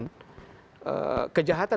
pada beberapa kesempatan